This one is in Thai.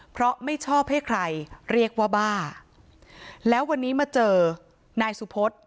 เพราะไม่ชอบให้ใครเรียกว่าบ้าแล้ววันนี้มาเจอนายสุพศ